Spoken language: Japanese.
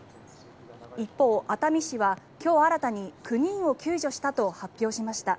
一方、熱海市は今日新たに９人を救助したと発表しました。